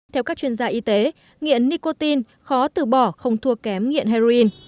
theo các chuyên gia y tế nghiện nicotine khó từ bỏ không thua kém nghiện heroin